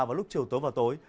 vào lúc chiều tối và tối